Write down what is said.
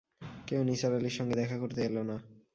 কেউ নিসার আলির সঙ্গে দেখা করতে এল না।